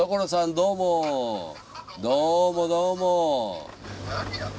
どうもどうも。